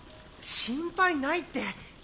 心配ないって。